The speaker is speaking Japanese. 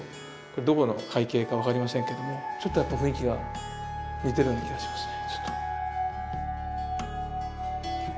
これどこの海景か分かりませんけどもちょっとやっぱ雰囲気が似てるような気がしますね。